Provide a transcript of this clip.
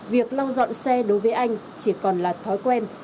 việc lau dọn xe đối với anh chỉ còn là thói quen